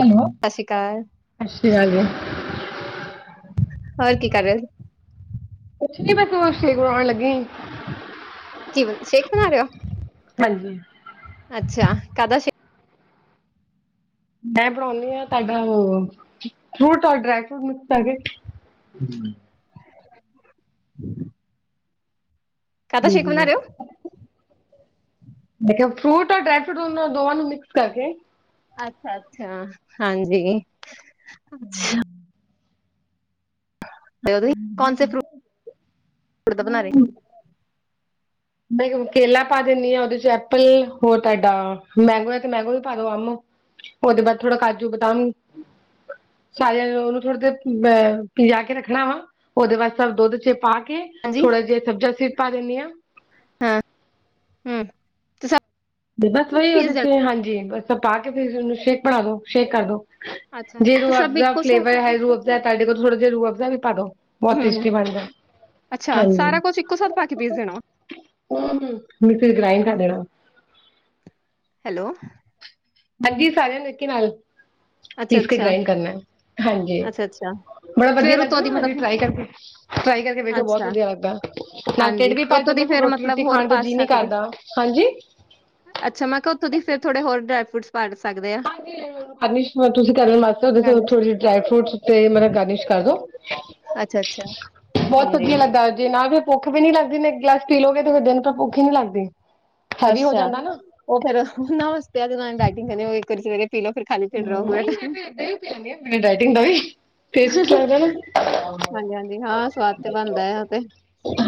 Hello ਸਤਿ ਸ਼੍ਰੀ ਅਕਾਲ ਸਤਿ ਸ਼੍ਰੀ ਅਕਾਲ ਜੀ ਹੋਰ ਕੀ ਕਰ ਰਹੇ ਸੀ ਕੁਛ ਨੀ ਬਸ ਹੋ ਸ਼ੇਕ ਬਣਾਉਣ ਲੱਗੀ ਕੀਵਨ ਸ਼ੇਖ ਬਣਾ ਲਿਆ ਹਾਂਜੀ। ਅੱਛਾ, [unintelligible] [unintelligible] ਮੈਂ ਬਣਾਉਦੀ ਆ ਤੁਹਾਡਾ ਅ, ਫਰੂਟ ਔਰ ਡਰਾਈ ਫਰੂਟ ਮਿਕਸ ਕਰਕੇ। ਹੂੰ। [inaudible] [inaudible] ਕਾਹਦਾ ਸ਼ੇਕ ਬਣਾ ਰਹੇ ਹੋ ਮੈਂ ਕਿਹਾ ਫਰੂਟ ਔਰ ਡਰਾਈ ਫਰੂਟ ਦੋਵਾਂ ਨੂੰ ਮਿਕਸ ਕਰਕੇ ਅੱਛਾ- ਅੱਛਾ ਹਾਂਜੀ ਅੱਛਾ। ਤੁਸੀਂ ਕੌਣ ਸੇ ਫਰੂਟ ਦਾ ਬਣਾ ਰਹੇ ਮੈਂ ਕਿਹਾ ਕੇਲਾ ਪਾ ਦਿੰਦੀ ਹਾਂ ਉਹਦੇ ਚ ਐਪਲ ਹੋਰ ਤੁਹਾਡਾ ਮੈਂਗੋ ਹੈ ਤੇ ਮੈਂਗੋ ਵੀ ਪਾ ਦੋ ਆਮ ਉਹਦੇ ਬਾਅਦ ਥੋੜਾ ਕਾਜੂ ਬਦਾਮ ਸਾਰਿਆਂ ਨੂੰ ਉਹਨੂੰ ਥੋੜੇ ਦੇ ਅਹ ਪਜਾ ਕੇ ਰੱਖਣਾ ਵਾ ਉਹਦੇ ਬਾਅਦ ਦੁੱਧ ਚ ਪਾ ਕੇ ਹਾਂਜੀ ਥੋੜਾ ਜਿਹਾ ਕੱਚਾ ਪਾ ਦਿੰਦੇ ਹਾਂ ਹਾਂ ਹਮ ਤੁ ਬਸ ਵਹੀ ਉਹਦੇ ਚ ਹਾਂਜੀ ਪਾ ਕੇ ਫਰ ਉਹਨੂੰ ਸ਼ੇਕ ਬਣਾ ਦੋ ਸ਼ੇਕ ਕਰ ਦੋ ਅੱਛਾ ਜੇ ਤੁਹਾਡੇ ਕੋਲ ਤੇ ਰੂਹ ਸਭ ਅਫਜਾ ਇੱਕੋ ਸਾਥ ਫਲੇਵਰ ਹੈਗਾ ਤਾਂ ਰੂਹ ਆਫ ਜਾ ਪਾ ਦਿਓ। ਬਹੁਤ ਹੂੰ ਟੇਸਟੀ ਬਣਦਾ ਅੱਛਾ ਹਜੀ ਸਾਰਾ ਕੁਝ ਇੱਕੋ ਸਾਥ ਪਾ ਕੇ ਪੀਸ ਦੇਣਾ ਮਿਕਸੀ ਚ ਗ੍ਰਾਈੰਡ ਕਰ ਦੇਣਾ ਹੈਲੋ ਹਾਂਜੀ ਸਾਰਿਆਂ ਨੂੰ ਨੇਕੇ ਨਾਲ ਅੱਛਾ ਪੀਸ ਕੇ ਅੱਛਾ ਗ੍ਰੰਡ ਕਰਨਾ ਹਾਂਜੀ ਅੱਛਾ ਅੱਛਾ ਬੜਾ ਵਧੀਆ ਫਿਰ ਲੱਗਦਾ ਉਤੋਂ ਦੀ ਨਾ ਮਤਲਬ ਟਰਾਈ ਕਰਕੇ ਵੇਖਣਾ ਬਹੁਤ ਅੱਛਾ ਵਧੀਆ ਲੱਗਦਾ ਨਾਲੇ ਢਿੱਡ ਹਾਂਜੀ ਵੀ ਤੇ ਭਰ ਉਤੋਂ ਜਾਂਦਾ ਦੀ ਫੇਿਰ ਫਿਰ ਰੋਟੀ ਮਤਲਬ ਰੋਟੀ ਹੋਰ ਖਾਣ ਦਾ ਪਾ ਜੀਅ ਨੀ ਸਕਦੇ ਕਰਦਾ ਹਾਂਜੀ ਅੱਛਾ ਮੈਂ ਕਿਹਾ ਉੱਪਰ ਫਿਰ ਥੋੜੇ ਹੋਰ ਡਰਾਈ ਫਰੂਟ ਪਾ ਸਕਦੇ ਆ ਗਾਰਨਿਸ਼ ਤੁਸੀਂ ਕਰਨ ਵਾਸਤੇ ਗਾਣੇ 'ਚ। ਥੋੜ੍ਹੀ ਜਿ ਡਰਾਈ ਫਰੂਟ ਤੇ ਮਤਲਬ ਗਾਰਨਿਸ਼ ਕਰਦੋ ਅੱਛਾ ਅੱਛਾ ਬਹੁਤ ਹਾਂਜੀ ਵਧੀਆ ਲੱਗਦਾ ਜਾ ਨਾ ਫਿਰ ਭੁੱਖ ਵੀ ਨੀ ਲੱਗਦੀ ਇੱਕ ਗਲਾਸ ਪੀ ਲਓ ਗਏ ਤੇ ਫਿਰ ਦਿਨ ਪਰ ਭੁੱਖ ਨੀ ਲੱਗਦੀ ਹੈਵੀ ਹੋ ਅੱਛਾ ਜਾਂਦਾ ਨਾ ਉਹ ਫੇਰ ਉਨਾ ਵਾਸਤੇ ਜਿਨਾਂ ਨੇ ਡਾਇਟਿੰਗ ਕਰਨੀ ਹੋਵੇ ਸਵੇਰੇ ਪੀ ਲਓ ਫਿਰ ਖਾਲੀ ਪੇਟ ਰਹੋ ਪੂਰਾ ਨਹੀਂ ਮੈਂ ਟਾਈਮ। ਇਦਾਂ ਹੀ ਪੀ ਲਦੀ ਆ ਬਿਨਾਂ ਡਾਇਟਿੰਗ ਦੇ ਵੀ। ਟੇਸਟ ਲੱਗਦਾ ਨਾ ਹਾਂਜੀ-ਹਾਂਜੀ ਹਾਂ ਸਵਾਦ ਤੇ ਬਣਦਾ ਆ ਉਹ ਤੇ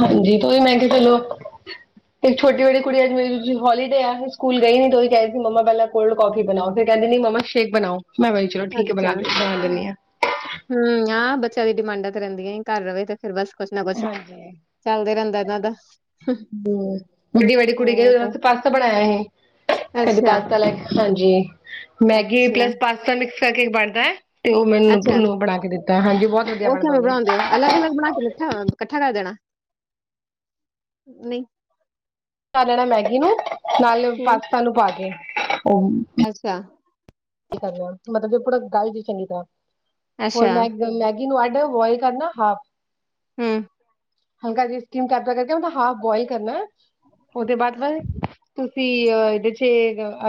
ਹਾਂਜੀ ਕੋਈ ਮੈਂ ਕਿਹਾ ਚਲੋ ਇੱਕ ਛੋਟੀ ਵਾਲੀ ਕੁੜੀ ਅਜੇ ਹੋਲੀਡੇ ਆ ਸੀ ਸਕੂਲ ਗਈ ਨੀ ਉ ਕ ਕਿਹਾਹੇ ਸੀ ਮੰਮਾ ਪਹਿਲਾਂ ਕੋਲਡ ਕੋਫੀ ਬਣਾਓ ਫਿਰ ਕਹਿੰਦੀ ਮੰਮਾ ਸ਼ੇਕ ਬਣਾਓ ਮੈਂ ਕਿਹਾ ਚਲੋ ਠੀਕ ਹੈ ਅੱਛਾ ਬਣਾ ਬਣਾ ਦਿੰਨੀ ਆ। ਹਮ ਆ ਬੱਚਿਆਂ ਦੀ ਡਿਮਾਂਡਾਂ ਤੇ ਰਹਿੰਦੀਆਂ ਹੀ ਘਰ ਰਹੇ ਤੇ ਫਰ ਬਸ ਕੁਛ ਨਾ ਕੁਛ ਹਾਂਜੀ। ਚੱਲਦਾ ਰਹਿੰਦਾ ਇਨਾਂ ਦਾ ਹਮ ਵੱਡੀ ਵੱਡੀ ਕੁੜੀ ਕ ਹੋਰ ਉਹਦੇ ਤੇ ਵਾਸਤੇ ਪਾਸਤਾ ਬਣਾਇਆ ਇਹ ਕਦੇ ਪਾਸਤਾ ਲੈ ਹਾਂਜੀ ਮੈਗੀ ਪਲੱਸ ਅੱਛਾ-ਅੱਛਾ-ਅੱਛਾ ਪਾਸਤਾ ਮਿਕਸ ਕਰਕੇ ਬਣਦਾ ਹੈ ਤੇ ਉਹ ਮੈਨੂੰ ਉਹਨੂੰ ਬਣਾ ਕੇ ਦਿੱਤਾ ਹਾਂਜੀ ਬਹੁਤ ਵਧੀਆ ਬਣਦਾ ਉਹ ਇਕੱਠਾ ਇਕੱਠਾ ਕਰ ਦੇਣਾ ਨਹੀਂ ਪਾ ਲੈਣਾ ਮੈਗੀ ਨੂੰ ਨਾਲ ਪਾਸਤਾ ਨੂੰ ਪਾ ਕੇ ਅੱਛਾ ਕੀ ਕਰਨਾ ਮਤਲਬ ਜੇ ਪੂਰਾ ਗਲ ਜ ਚੰਗੀ ਤਰ੍ਹਾਂ ਹੋਰ ਮੈਂ ਮ ਅੱਡ ਬੋਇਲ ਕਰਨਾ ਹਾਫ ਹਮ ਹਲਕਾ ਜਿਹੀ ਸਟੀਮ ਕਰਦਾ ਕਰਕੇ ਉਹਦਾ ਹਾਫ ਬੋਇਲ ਕਰਨਾ ਉਹਦੇ ਬਾਅਦ ਮ ਤੁਸੀਂ ਇਹਦੇ ਚ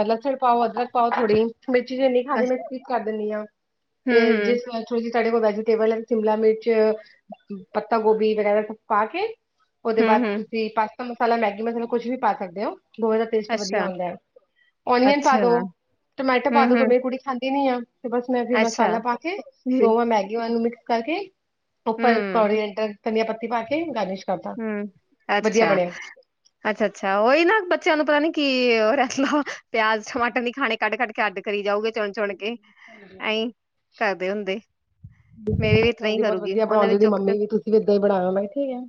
ਲਸਣ ਪਾਓ ਅਦਰਕ ਪਾਓ ਥੋੜੀ ਮਿਰਚੀਜ਼ ਇੰਨੀ ਖਾਦੀ ਅੱਛ ਮੈਂੀ ਕਰ ਦਿੰਦੀ ਹਾਂ ਤੇ ਹੂੰ-ਹੂੰ, ਜਿਸ ਥੋੜ੍ਹੀ ਜਿਹੀ ਤੁਡੇ ਕੋਲ ਵੈਜੀਟੇਬਲ ਹੈ ਸ਼ਿਮਲਾ ਮਿਰਚ ਪੱਤਾ ਗੋਭੀ ਵਗੈਰਾ ਸ ਪਾ ਕੇ ਉਹਦੇ ਬਾਅਦ ਹੂੰ-ਹੂੰ ਤੁਸੀਂ ਪਾਸਤਾ ਮਸਾਲਾ ਮੈਗੀ ਮਸਾਲਾ ਕੁਛ ਵੀ ਪਾ ਸਕਦੇ ਹੋ ਪੋਹੇ ਦਾ ਟੇਸਟ ਵਧੀਆ ਆਉਂਦਾ ਹੈ ਓਨੀਅਨ ਪਾ ਅੱਛਾ-ਅੱਛਾ ਦੋ ਟੋਮੈਟੋ ਪਾ ਹੂੰ-ਹੂੰ ਦੋ ਮੇਰੀ ਕੁੜੀ ਖਾਂਦੀ ਨੀ ਆ ਤੇ ਬਸ ਮੈਂ ਅੱਛਾ ਮਸਾਲਾ ਪਾ ਕੇ ਹੂੰ-ਹੂੰ ਦੋਵਾਂ ਮੈਗੀ ਵਾਲਾਂ ਨੂੰ ਮਿਕਸ ਕਰਕੇ ਉੱਪਰ ਅੱਛਾ। ਕੋਰੀਐਂਡਰ ਧਨੀਆ ਪੱਤੀ ਪਾ ਕੇ ਗਾਰਨਿਸ਼ ਕਰਦਾ ਹੂੰ ਹੂੰ ਵਧੀਆ ਬਣਿਆ ਅੱਛਾ ਅੱਛਾ ਉਹੀ ਨਾ ਬੱਚਿਆਂ ਨੂੰ ਪਤਾ ਨੀ ਕਿ ਉਹ ਲਓ ਪਿਆਜ ਟਮਾਟਰ ਨੀ ਖਾਣੇ ਕੱਢ ਕੱਢ ਕੇ ਅੱਡ ਕਰੀ ਜਾਊਗੇ ਚੁਣ ਚੁਣ ਕੇ ਐਹੀਂ ਕਰਦੇ ਹੁੰਦੇ ਮੇਰੀ ਵੀ ਮੈਂ ਕਿਹਾ ਇਦਾ ਹੀ ਆਉਂਦੀ ਬਹੁਤ ਕਰੂਗੀ ਵਧੀਆ ਉਹਨੇ ਵੀ ਬਣਾਉਂਦੀ ਦੀ ਚੁੱਕ ਕੇ ਮੰਮੀ ਵੀ ਤੁਸੀਂ ਵੀਏਾਂ ਹੀ ਬਣਾ ਠੀਕ ਹੈ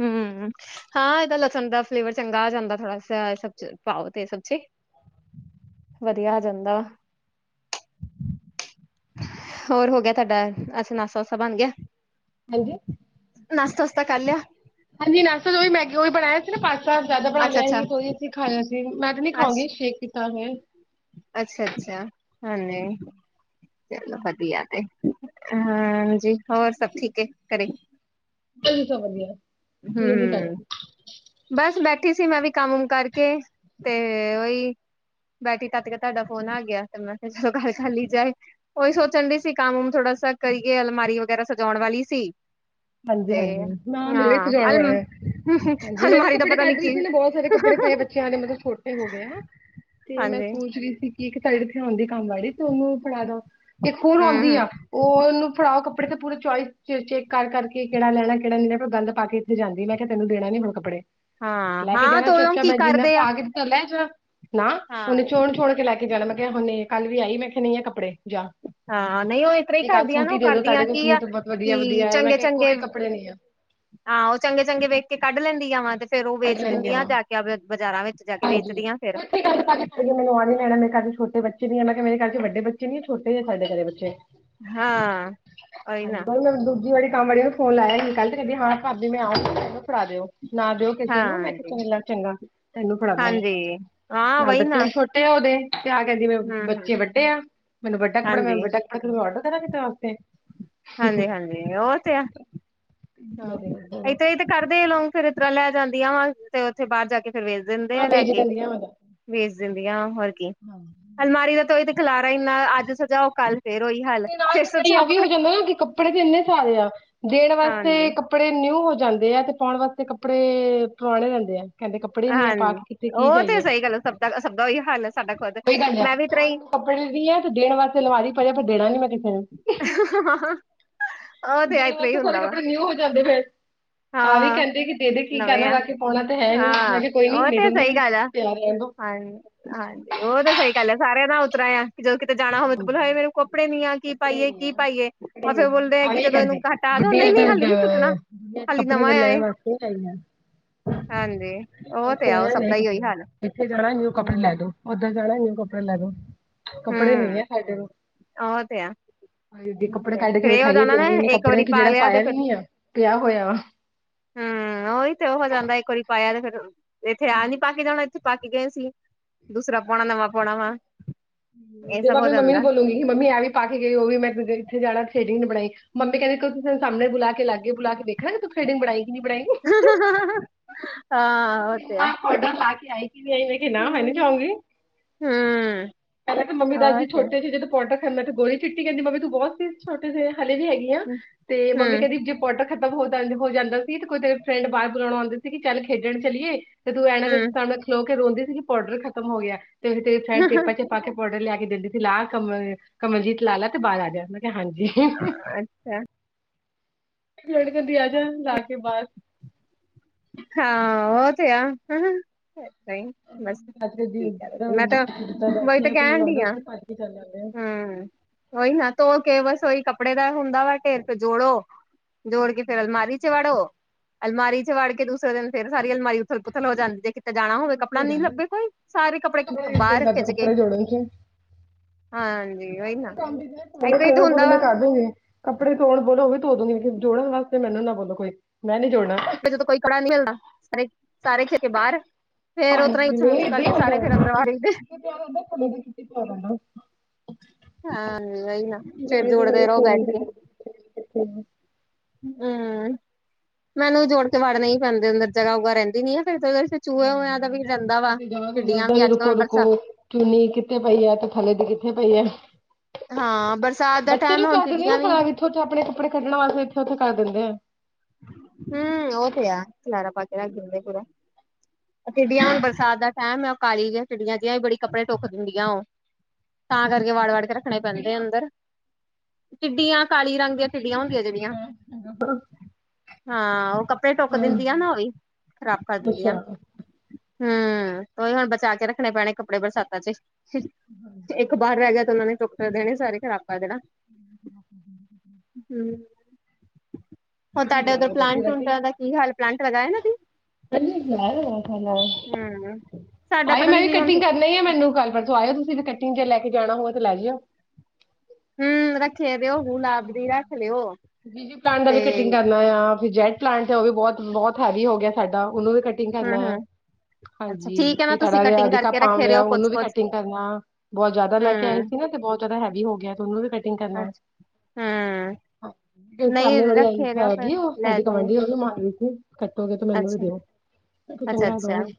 ਹਮ ਹਾਂ ਇਹਦਾ ਲਸਣ ਦਾ ਫਲੇਵਰ ਚੰਗਾ ਆ ਜਾਂਦਾ ਥੋੜਾ ਸਬ ਪਾਓ ਤੇ ਸਬਜ਼ੀ ਵਧੀਆ ਆ ਜਾਂਦਾ ਵ ਹੋਰ ਹੋ ਗਿਆ ਤੁਹਾਡਾ ਅਸੀਂ ਨਾਸਾਸਾ ਬਣ ਗਿਆ ਹਾਂਜੀ ਨਸਸਤਾ ਕਲਿਆ ਹਾਂਜੀ ਨਸਲ ਜੋ ਵੀ ਮੈਗੀਓ ਵੀ ਬਣਾਇ ਸੀ ਪਾਸਤਾ ਜਿਆਦਾ ਬਣਾ ਲਿਆ ਅੱਛਾ-ਅੱਛਾ ਸੀ ਕੋਈ ਅਸੀਂ ਖਾਇਆ ਸੀ ਮੈਂ ਤੇ ਨੀ ਖਾਉਂਗੀ ਸ਼ੇਕ ਕੀਤਾ ਫ ਅੱਛਾ ਅੱਛਾ ਹਾਂਜੀ ਚਲੋ ਵਧੀਆ ਤੇ ਹਾਂਜੀ ਹੋਰ ਸਭ ਠੀਕ ਹੈ ਘਰੇ ਵਧੀ ਸ ਵਧੀਆ ਹਮ ਤੁਸੀਂ ਕੀ ਕਰ ਹਮ ਰਹੇ? ਬਸ ਬੈਠੀ ਸੀ ਮੈਂ ਵੀ ਕੰਮਮ ਕਰਕੇ ਤੇ ਉਓਹੀ ਬੈਟਰੀ ਤੱਤ ਕੇ ਤੁਹਾਡਾ ਫੋਨ ਆ ਗਿਆ ਤੇ ਮੈਂ ਕਿਹਾ ਚਲੋ ਗੱਲ ਚ ਹੀ ਜਾਏ ਉਹੀ ਸੋਚਣ ਡ ਸੀ ਕੰਮਮ ਥੋੜਾ ਸ ਕਰੀਏ ਅਲਮਾਰੀ ਵਗੈਰਾ ਸਜਾਉਣ ਵਾਲੀ ਸੀ ਹਾਂਜੀ ਤੇ ਹਾਂਜੀ ਨਾ ਮਿਲੇ ਇੱਥੇ ਹਾਂ ਜਾਣ ਅਲ ਵਾਲਾ ਹੈ ਹਾਂਜੀ ਮੈਨੂੰ ਵੀ ਅਲਮਾਰੀ ਦਾ ਕੱਪੜੇ ਪਤਾ ਨੀ ਕੱਢਦੇ ਕੀ ਸੀ ਨਾ ਬਹੁਤ ਸਾਰੇ ਕੱਪੜੇ ਪਏ ਬੱਚਿਆਂ ਦੇ ਮਤਲਬ ਛੋਟੇ ਹੋ ਗਏ ਤੇ ਮੈਂ ਹਾਂਜੀ ਸੋਚ ਰਹੀ ਸੀ ਇੱਕ ਸਾਈਡ ਇਥੇ ਆਉਂਦੀ ਕੰਮ ਵਾਲੀ ਤੇ ਉਹਨੂੰ ਫੜਾ ਦ ਇੱਕ ਹੋਰ ਹਮ ਆਉਂਦੀ ਹਮ ਆ ਉਹਨੂੰ ਫੜਾਓ ਕਪ ਕੱਪੜੇ ਤੇ ਪੂਰੇ ਚੋਇਸ ਚੇੱਕ ਕਰਕੇ ਕਿਹੜ ਲੈਣਾ ਕਿਹੜਾ ਨਹੀਂ ਲੈ ਪਰ ਗੱਲ ਪਾ ਕੇ ਇੱਥੇ ਜਾਂਦੀ ਮੈਂ ਕਿਹਾ ਤੈਨ ਦੇਣਾੀ ਹੁ ਕੱਪੜੇ ਹਾਂ ਲੈ ਕੇ ਹਾਂ ਜਾਣਾ ਤੇ ਚੁੱਪ ਉਹ ਚਾਪ ਕੀ ਮੈਂ ਜਿੰਨਾ ਕਰਦੇ ਆ ਪਾ ਕੇ ਚ ਲੈ ਜਾ ਨਾ ਹਾਂ ਉਹਨੇ ਚੋਣ ੋਣ ਕੇ ਲੈ ਕੇ ਜਾਣਾ ਮੈਂ ਕਿਹਾ ਹਨੇ ਕੱਲ ਵੀ ਆਈ ਮੈਂ ਕਿਹਾ ਨਹੀਂ ਆ ਕੱਪੜੇ ਜਾ ਹਾਂ ਨਹੀਂ ਉਹ ਇਸ ਤਰ੍ਹਾਂ ਹੀ ਇੱਕ ਆਹ ਕਰਦੀਆਂ ਸੂਟ ਨਾ ਹੀ ਉਹ ਦੇ ਦੋ ਕਰਦੀਆਂ ਤੁਹਾਡੇ ਕੋਲ ਕੀ ਆ ਸੂਟ ਬਹੁਤ ਵਧੀਆ ਕਿ ਵਧੀਆ ਆ ਮੈਂ ਚੰਗੇ ਕਿਹਾ ਚੰਗੇ ਚੰਗੇ ਕੋਈ ਕੱਪੜੇ ਨਹੀਂ ਆ ਹਾਂ ਉਹ ਚੰਗੇ ਚੰਗੇ ਵੇਖ ਕੇ ਕੱਢ ਲੈਂਦੀ ਆ ਵਾਂ ਤੇ ਫੇਰ ਉਹ ਕੱਢ ਵੇਚ ਲੈਂਦੇ ਦਿੰਦੀ ਆ ਜਾ ਕੇ ਬਾਜ਼ਾਰਾਂ ਵਿੱਚ ਜਾ ਕੇ ਹਾਂਜੀ ਵੇਚਦੀ ਆ ਫੇਿਰ ਉਹ ਇੱਥੇ ਗੱਲ ਪਾ ਕੇ ਮੈਨੂੰ ਆਂ ਨ ਮਡ ਮੇ ਘ ਚ ਛੋੇ ਬੱਚੇ ਨੀ ਮੈਂ ਕਿਹਾ ਮੇਰੇਰ ਚ ਵੱੇੱਚੇ ਨੀ ਛੋੇ ਸਾਡੇ ਘਰੇ ਬੱਚੇ ਹਾਂ ਹਾਂ ਕਈ ਨਾ ਦੂਜੀ ਵਾਰੀ ਕਾਮ ਆੜ ਫ ਲ ਆਆਗੀ ਕੱਲ ਤੇ ਕਦੀ ਹਾਂ ਭਾਾਬੀ ਮੈਂ ਆੂੰ ਫਾ ਦਿਓ ਨਾ ਦਿਓ ਕਿਸੇ ਨੂੰ ਮੈਂ ਹਾਂਜੀ, ਕਿਹਾ ਚੰ ਚੰਗਾ ਤੈਨੂੰ ਫੜਾ ਦ ਹਾਂਜੀ ਹਾਂ ਨਾਲ ਵਹੀ ਬੱਚੇ ਨਾ ਨੂੰ ਛੋਟੇ ੱੇ ਉਹਦੇ ਤੇ ਆ ਕਹ ਜਵੇ ਹੂੰ, ਹੂੰ ਬੱਚੇ ਵੱਡੇ ਆ ਮੈਨੂੰ ਵੱਡਾ ਕੱਪੜਾ ਮੈਂ ਹਾਂਜੀ। ਵੱਡਾ ਵਡਰ ਦੇਣਾ ਕਿ ਹੋਤੇ ਹਾਂਜੀ ਹਾਂਜੀ ਉਹ ਤੇ ਆ ਹਾਂ ਮੈਂ ਦੇ ਦੇਣਾ ਇਥ ਇਹ ਤੇ ਕਰਦੇ ਲੋਂਗੇ ਫੇਰ ਇ ਤਰਾਂ ਲੈ ਜਾਂਦੀ ਆ ਵਾਂ ਤੇ ਉੱਥੇ ਬਾਹਰ ਜਾ ਕੇ ਫਿਰ ਵੇ ਦਿੰਦੇ ਹਾਂ ਆ ਲੈ ਵੇਚ ਕੇ ਦਿੰਦੀਆਂ ਮੈਂ ਤਾਂ ਵੇਚ ਦਿੰਦੀ ਆ ਹੋਰ ਕੀ ਹਾਂ ਅਲਮਾਰੀ ਦਾ ਤਈ ਤੇ ਖਿਲਾਰਾ ਇੰਨਾ ਅੱਜ ਸਜਾਓ ਕੱਲ ਫਿਰਰੋਹੀ ਨਾਲ ਸਆ ਵੀ ਹੋ ਜਾਂਦਾ ਨਾ ਕਿ ਕੱਪੜੇ ਤੇ ਇੰਨੇ ਸਾਰੇ ਆ ਦੇਣ ਵਾਸਤੇ ਹਾਂਜੀ, ਕੱੜ ਕੱਪੜੇ ਨਿਊ ਹੋ ਜਾਂਦੇ ਆ ਤੇ ਪਾਉਣ ਵਾਸਤੇ ਕੱਪੜੇ ਪੁਰਾਣੇ ਰਹਿੰਦੇ ਆ ਕਹਿੰਦੇ ਕੱਪੜੇ ਨੀ ਹੈ ਪਾ ਹਾਂਜੀ ਕੇ ਕਿੱਥੇ ਕੀ ਉਹ ਤੇ ਜਾਈਏ ਸਹੀ ਗੱਲ ਸਭ ਦਾ ਸਭ ਦਾ ਉਹੀ ਹਾਲ ਹੈ ਸਾਡਾ ਖੁਦ ਕੋਹੀ ਗੱਲ ਮੈਂ ਵੀ ਤਰਾ ਹੀ ਕੱਪੜੇ ਦੀ ਹੈ ਤੇ ਦੇਣ ਵਾਸਤੇ ਲਵਾ ਦੀ ਪਏ ਪਰ ਦੇਣਾ ਨੀ ਮੈਂ ਕਿਸੇ ਨੂੰ [unintelligible] ਦਿਨ ਇਸ ਤਰਾਂ ਹੀ ਵਾਸੋਂ ਸੇ ਹੁੰਦਾ ਵਾ ਕੱਪੜੇ ਨਿਊ ਹੋ ਜਾਂਦੇ ਫਿਰਰ ਆਹ ਵੀ ਹਾਂ ਕਹਿੰਦੇ ਕਿ ਦੇ ਦੇ ਕੀ ਨਵੇਂ ਕਹਿਣਾ ਆ ਰੱਖ ਕੇ ਪਾਉਣਾ ਤੇ ਹੈ ਹੀ ਹਾਂ ਮੈਂ ਕਿਹਾ ਕੋਈ ਨੀ ਉਹ ਮ ਤੇ ਦੂੰਗੀ ਸਹੀ ਮੈਨੂੰ ਗੱਲ ਆ ਪਿਆਰ ਰਹਿ ਹਾਂ ਹਾਂਜੀ ੋਦ ਸਹੀ ਕਾਲ ਸਾਰੇਿਆਂ ਨਾ ਉਤਰਾਇ ਜਦੋਂ ਕਿਤੇ ਜਾਣਾ ਹੋਵੇ ਤਾਂ ਬੋਲੋ ਹਏ ਮੈਨੂੰ ਕੱਪੜੇ ਨੀ ਆ ਕੀ ਕੱਪੜੇ ਪਾਈਏ ਨੀ ਆ ਕੀ ਪਾਈਏ ਫਿਰ ਬੋਲਦੇ ਆ ਕਿ ਜਦੋਂ ਇਹਨੂੰ ਘੱ ਦੁਨੀਆਂ ਚ ਦੁਨੀਆਂ ਚ ਕੱਪੜੇ ਵ ਨਵਾਂ ਆ ਲੈਣ ਏ ਵਾਸ ਲੈ ਲਈ ਹਾਂਜੀ ਉਹ ਤੇ ਉਥੋਂ ਆ ਉਹ ਸਭ ਨ ਦਾ ਹੀ ਉਹੀ ਕੱਪੜੇ ਹਾਲ ਇੱਥੇ ਜਾਣਾ ਨਊ ਕੱਪੜੇ ਹਮ ਲੈ ਦੋ ਓਦਾਂ ਜਾਣਾ ਹੀ ਕੱਪੜੇ ਲੈ ਲੋ ਕੱਪੜੇ ਨੀ ਹਮ ਹੈ ਸਾਡੇ ਨੂੰ ਉਹ ਤੇ ਆ ਹਗੇ ਕੱਪੜੇ ਕੱਢ ਕੇ ਫੇਰ ਇਹ ਹੋ ਵਿਖਾਈਏ ਜਾਂਦਾ ਨਾ ਦਿੰਦੇਨੇ ਇੱਕ ਕੱਪੜਿਆਂ ਵਾਰੀ ਕਿ ਪਾ ਜਿਹੜਾ ਲਿਆ ਤੇ ਪਾਇਆ ਫਿਰ ਵੀ ਨੀ ਆ ਪਿਆ ਹੋਇਆ ਵਾ ਹਮ ਉਹੀ ਤੇ ਉਹ ਜਾਂਦਾ ਇੱਕ ਵਾਰੀ ਪਾਇਆ ਤੇ ਫੇਰ ਇੱਥੇ ਆ ਨੀ ਪਾ ਕੇ ਜਾਣਾ ਉੱਥੇ ਪਾ ਕੇ ਗਏ ਸੀ ਦੂਸਰਾ ਪਾਉਣਾ ਨਵਾਂ ਪਾਉਣਾ ਵਾ ਇਹ ਤੇ ਮੈਂ ਸਭ ਹੋ ਆਪਣੀ ਮੰਮੀ ਜਾਂਦਾ ਨੂੰ ਬੋਲੂਗੀ ਕਿ ਮੰਮੀ ਐਂ ਵੀ ਪਾ ਕੇ ਗਈ ਉਹ ਵੀ ਮੈਂੇ ਇੱਥੇ ਜਾਣਾ ਸ਼ੇਿੰਗ ਬਣਾਈ ਮੰਮੀ ਕਹਿੰਦੇੋਸੀਂ ਸਣੇ ਬੁਲਾ ਕੇ ਲਾਗੇ ਬੁਲਾ ਕੇ ਦੇਖਣਾ ਕਿ ਤੂੰ ਖਡਗ ਬਣਾਾਈਈ ਕਿ ਨਹੀਂ ਬਣਾਾਈਂਗੀ ਹਾਂ ਹੋ ਤੇ ਵੱਡਾ ਲਾ ਕੇ ਆਏ ਸੀ ਇਹ ਨਾ ਮੈਂ ਨੀ ਹਮ ਚਾਹੂੰਗੀ ਹਮ ਪਹਿਲਾਂ ਤਾਂ ਮੰਮੀ ਉਹ ਦਾਦੀ ਤੇ ਛੋਟੇ ਸੀ ਜਦੋਂ ਪੋਟਕ ੰਦਾ ਤੇ ਗੋਲੀ ਚਿੱਟੀ ਕਹਿੰਦੀ ਮੰਮੀ ਤੂੰ ਬਹੁਤ ਸੀ ਛੋਟੇ ਜੇ ਹਲੇ ਵੀ ਹੈਗੀ ਆ ਹੂੰ, ਤੇ ਮੰਮੀ ਕਹਿੰਦੀ ਜੇ ਪਟਰ ਖ਼ਤਮ ਹੋ ਜਾਂ ਹੋ ਜਾਂਦਾ ਸੀ ਤੇ ਕੋਈ ਤੇਰੇ ਫਰੈਂਡ ਬਾਹਰ ਬੁਲਾਉਣਾ ਆਉਂਦੇ ਸੀ ਕਿ ਚੱਲ ਖੇਡਣ ਚਲੀਏ ਤੇ ਤੂੰ ਇਹਨਾਂ ਹੂੰ, ਸਾਨੂੰ ਖਲੋ ਕੇ ਰੋਂਂਦੀ ਸੀਗੀ ਪਾੋਡਰ ਖਤਮ ਹੋ ਗਿਆ ਤੇ ਫ ਤੇਫਡ ਪੇਪਾਂ ਚ ਪਾ ਕੇ ਪੌਡਰ ਲਿਆ ਕੇ ਦਿੰਦੀ ਸੀ ਲਾ ਕਮਲ ਕਮਲਜੀਤ ਲਾਲ ਲਾ ਤੇ ਬਾਹਰ ਆ ਜਾ ਉਹਨਾਂ ਕਿਹਾ ਹਾਂਜੀ ਹਾਂ ਅ ਤੇ ਹੈ ਲੜ ਕੇ ਦ ਜਾ ਲਾ ਕੇ ਬਾਾਹਦ ਹਾਂ ਓ ਤਿਆ ਜਿੱ ਬੈਠੇ ਮੈਂ ਤਾਂ ਵਹੀ ਤਾਂ ਕੋਈ ਕਹਿਣ ਡੀ ਮਿਲਾਉਂਦਾ ਉੱਥੇ ਭੱ ਕੇ ਚੱਲ ਜਾਂਦੇ ਆ ਉਓਹੀ ਨਾ ਧੋ ਕੇ ਬਸ ਉਹੀ ਕੱਪੜੇ ਦਾ ਹੀ ਹੁੰਦਾ ਵਾ ਢੇਰਕ ਜੋੜੋ ਜੋੜ ਕੇ ਫੇਰ ਅਲਮਾਰੀ ਚ ਵੜੋ ਅਲਮਾਰੀ ਚ ਵੜ ਕੇ ਦੂਸਰੇ ਦਿਨ ਫੇਰ ਸਾਰੀ ਅਲਮਾਰੀ ਪੁਥਲ ਪੁਥਲ ਹੋ ਜਾਂਦੀ ਜੇ ਕਿਤੇ ਜਾਣਾ ਹੋਵੇ ਕੱਪੜਾ ਸਹੀ ਨੀ ਗੱਲ ਹੈ ਲੱੇ ਕੋਈ ਸਾਰੇ ਮੈਨੂੰ ਕੱਪੜੇ ਤਾਂ ਬੜਾ ਬਾਹਰੱਖ ਕੱਪੜੇ ਜੋੜਨਗੇ ਹਾਂਜੀ ਹੋ ਉਹੀ ਕੋਈ ਨਾ ਕੰ ਏਦਾਂ ਹੀ ਤਾਂ ਨਾ ਕੋ ਹੁੰਦਾ ਮੈਂ ਵਾ ਕਰ ਦੂੰਗੀ ਕੱਪੜੇ ਤੋਣ ਬੋਲੋ ਵੀ ਧੋ ਦੋਦੀ ਜੋੜਨ ਵਾਸਤੇ ਮੈਨੂੰ ਨਾ ਬੋ ਕੋਈ ਮੈਂ ਨੀ ਜੋੜਨਾ ਜਦੋਂ ਕੋਈ ਕੜਾ ਨਹੀਂੀ ਹਲਣਾ ਸਾਰੇ ਸਾਰੇ ਖੇਡ ਬਾਹਰ ਫੇਰ ਉਤਰਾਂ ਹੀ ਉੱਛ ਮੁੱਛ ਹਾਂਜੀਾਂ ਕਰਕੇ ਸਾਰੇ ਫੇਰ ਅੰਦਰ ਵਾੜੇ ਹੀ ਕਿਥ ਪਦਾ ਹਾਂ ਇਹਨ ਚੜ ਜਾਣੇ ਜੂੜਦਾ ਇ ਜਾਣੇ ਰੋ ਬੈਟ ਫੋਨ ਕੇ [inaudible] ਹਮ ਮੈਨੂੰ ਜੋੜ ਕੇ ਵੜਨਾ ਹੀ ਪੈਂਦੇ ਅੰਦਰ ਜਗ੍ਹਾ ਉਗਾ ਰਹਿੰਦੀ ਨੀ ਆ ਫਿਰ ਕਿਤੇ ਜਾ ਤੇ ਜਾਂਦਾ ਵੀ ਨ ਅੱਜ ਰੁਕੋ ਕੱਲ ਰੁਕੋ ਬਰਸਾ ਚੁਨੀ ਕਿੱਥੇ ਪਈ ਹੈ ਤੇ ਥੱਲੇ ਦੀ ਕਿੱਥੇ ਪਈ ਹੈ ਹਾਂ ਬਰਸਾਤ ਦਾ ਟਾਈਮ ਹੁਣ ਟਿੱਡੀਆਂ ਵੀ ਉਛੱਚ ਆਪਣੇ ਕੱਪੜੇ ਕੱਢਣਾਸ ਇੱਥੇ ਉਥੇ ਕਰ ਦਿੰਦੇ ਆ ਹਮ ਓਤਿਆ ਲੜਪ ਕੇ ਰਗ ਦਦੇ ਕੂਰਾ ਚਿਡੀਆਂ ਹੁਣ ਬਰਸਾਤ ਦਾ ਟਾਈਮ ਉਹ ਕਾਲੀ ਚਿਡੀਆਂ ਦੀਆਂ ਵੀ ਬੜੀ ਕੱਪੜੇ ਟਢੱਕਕਿੰਦੀਆਂ ਉਹ ਤਾਂ ਕਰਕੇ ਵਾੜ ਵਾੜ ਕੇ ਰੱਖਣੇ ਪੈਂਦੇ ਆ ਚਿੜੀਆਂ ਅੰਦਰ ਟਿੱਡੀਆਂ ਕਾਲੀ ਰੰਗ ਆ ਦੀਆਂ ਟਿੱਡੀਆਂ ਚਿੜੀਆਂ ਹੁੰਦੀਆਂ ਜਿਹੜੀਆਂ ਚਿੜੀਆਂ ਹਾਂ ਉਹ ਕੱਪੜੇ ਟਢੁੱਕ ਦਿੰਦੀ ਆ ਹਾਂਜੀ ਨਾ ਉਹ ਵੀ ਖ਼ਰਾਬ ਕਰ ਦਿੰਦੀਆਂ ਅੱਛਾ ਹਮ ਉਹੀ ਹੁਣ ਬਚਾ ਕੇ ਰੱਖਣੇ ਪੈਣੇ ਕੱਪੜੇ ਬਰਸਾਤਾਂ ਚ ਇੱਕ ਬਾਹਰ ਰਹਿ ਗਿਆ ਤੇ ਉਹਨਾ ਨੇ ਚੁੱਕ ਦੇਣੇ ਸਾਰੇ ਖਰਾਕਾ ਦੇੜ [inaudible] ਹੋਰ ਤੁਸੀਂ ਤੁਹਾਡੇ ਉੱਧਰ ਬਣਾਓਗੇ ਪਲਾਂਟ ਰੋਟੀ ਟਟਾਂ ਦਾ ਕੀ ਹਾਲ ਪਲਾਂਟ ਲਗਾ ਇਹਨਾਂ ਦੀ ਾਰ ਹਮ। ਸਾਡਾ ਆਏ ਪਤਾ ਮੈਂ ਨੀ ਵੀ ਕੀ ਹੁਣ ਕਟਿੰਗ ਕਰੀ ਹੀ ਆ ਮੈਨੂੰ ਕ ਆਇਓ ਤੁਸੀਂ ਵੀ ਕਟਿੰਗ ਜੇ ਲੈ ਕੇ ਜਾਣਾ ਹੋਵੇ ਤਾਂ ਲੈ ਜਾਿਓ ਹਮ ਰੱਖ ਸੇਵੇ ਉਹ ਹੋ ਹਾਂਜੀ ਜ ਪਡ ਦਾ ਤੇ ਵੀ ਕਟਿੰਗ ਕਰਨਾ ਆ ਜੈਟ ਪਲਾਂਟ ਤੇ ਉਹ ਵੀ ਬਹੁਤ ਬਹੁਤ ਹੈਵ ਹੋ ਗਿਆ ਸਾਡਾ ਉਹਨੂੰ ਵੀ ਕਟਿੰਗ ਹਮ ਕਰਨਾ ਹੈ ਹਮ ਅੱਛਾ ਹਾਂਜੀ ਠੀਕ ਹੈ ਨਾ ਤੇ ਤੁਸੀਂ ੜਾ ਜਿਹਾ ਕਟਿੰਗ ਅਧਿਕ ਕਰਕੇ ਪਾ ਰੱਖੇ ਰਹੇ ਹੋ ਕੁਛ ਉਹਨੂੰ ਵੀ ਕੁਛ ਕਟਿੰਗ ਕਰਨਾ ਬਹੁਤ ਜਿਆਦਾ ਲੈ ਕੇ ਆਏ ਹਮ ਸੀ ਨਾ ਤੇ ਬਹੁਤ ਪ ਤਾਂ ਹੈੀ ਹੋ ਗਿਆ ਤੁਹਨੂੰ ਅੱਛਾ ਹਮ ਨਹੀਂ ਸਾਹਮਣੇ ਬੜੀ ਰੱਖੇ ਅਈਖਾ ਰਹੇ ਹੋ ਫਿਰ ਹੈਗੀ ਉਹ ਲੈ ਸਾਡੀ ਜਾਓਗੇ ਕਮਾਂਢ ਮਾਰ ਰ ਸੀ ਕੱਟੋਗੇ ਤੇ ਮੈਨੂੰ ਵੀ ਅੱਛਾ ਦਿਓ ਅੱਛਾ ਚੰਗਾ ਅੱਛਾ। ਦਹਗੇ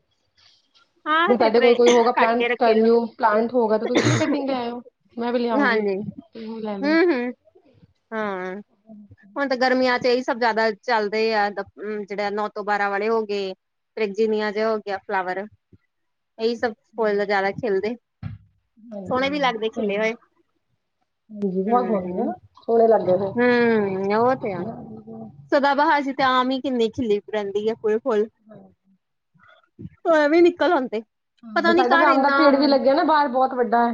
ਜੇ ਹਾਂ ਤੇ ਸਾਡੇ ਤਰ ਕੋਲ ਕੋਈ ਹੋਗਾ ਕੱਟ ਕੇ ਪਲਾਂਟ ਰੱਖੇ ਦਿਓ। ਪਲਾਂਟ ਹੋਗਾ ਤਾਂ ਤੁਸੀਂ ਵੀ ਕਟਿੰਗ ਲਿਆ ਆਇਓ ਮੈਂ ਵੀ ਲਿਆਉਂਗੀ ਹਾਂਜੀ ਤੁਸੀਂ ਵੀ ਲੈ ਲਓ ਹਮ ਹਮ ਹਾਂ ਹੁਣ ਤੇ ਗਰਮੀ ਚ ਇਹੀ ਸਭ ਜਿਆਦਾ ਚੱਲਦੇ ਆ ਜਿਹੜੇ ਨੌ ਤੋਂ ਬਾਰਾਂ ਵਾਲੇ ਹੋ ਗਏ ਪ੍ਰੈਜੀਨੀਆ ਜਿ ਹੋ ਗਿਆ ਫਲਾਵਰ ਇਹੀ ਸਭ ਫਲ ਦਾ ਜ਼ਿਆਦਾ ਖੇਿਲਦੇ ਸੋਹਣੇ ਵੀ ਹਾਂਜੀ ਲੱਗਦੇ ਸਹੀ ਖਿਲੇ ਹੋਏ ਹਾਂਜੀ ਬਹੁਤ ਹੁੰਦੇ ਹਮ ਨਾ ਸੋਹਣੇ ਲੱਗਦੇ ਨੇ। ਹਮ ਉਹ ਤੇ ਹਾਂ ਸਦਾਬਹਾ ਜ ਤੇ ਆਮ ਹੀ ਕਿੰਨੀ ਖਿੱਲੀ ਰਹਿੰਦੀ ਹੈ ਫੁੱਲ ਫੁੱਲ ਹਮ ਸ ਵੀ ਨਿਕਲ ਆਉਂਦੇ ਪਤਾ ਹਾਂ ਨੀ ਸਾਡਾ ਘਰ ਆਮ ਦਾ ਇੰਨਾ ਭੇੜ ਵੀ ਲੱਗਿਆ ਨਾ ਬਾਹਰ ਬਹੁਤ ਬਹੁਤ ਵੱਡਾ ਹੈ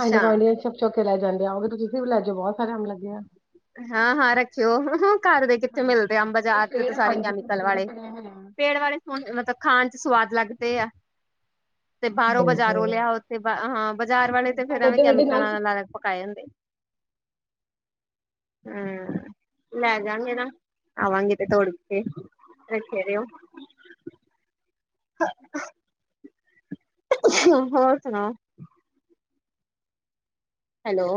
ਆਂਡੇ ਗੁਆਂਢੀਆਂ ਛ ਚੌਕੇ ਲੈ ਜਾਂਦੇ ਆਓਾਂਗੇ ਤੁਸੀ ਤੁਸੀ ਵੀ ਲੈ ਜਾਓ ਬਹੁਤ ਸਾਰੇ ਆਉਣ ਲੱਗੇ ਆ ਹਾਂ ਹਾਂ ਰੱਖਿਓ ਘਰ ਦੇ ਕਿੱਥੇ ਮਿਲਦੇ ਆ ਬਾਜ਼ਾਰ ਦੇ ਸਾਰੇ ਕੈਮੀਕਲ ਵਾਲੇ ਪੇੜ ਬੇ ਸੋਹਣ ਮਤਲਬ ਖਾਣ ਚ ਸਵਾਦ ਲੱਗਦੇ ਆ ਤੇ ਬਾਹਰੋਂ ਬਜ਼ਾਰੋਂ ਲਿਆ ਹਾਂਜੀ ਉੱਥੇ ਹਾਂ ਬਾਜ਼ਾਰ ਵਾਲੇ ਤੇ ਫੇਿਰ ਐਵੇ ਬੇਟੇ ਮੇਰੇ ਨਾਲ ਕੈਮੀਕਲ ਪਕਾਏ ਜਾਂਦੇ ਹਮ ਲੈ ਜਾਾਂਗੇ ਨਾ ਆਵਾਂਗੇ ਤੇ ਤੋੜ ਕੇ ਰੱਖੇ ਰਓ ਹ ਹੋਰ ਸੁਣਾ ਹੈਲੋ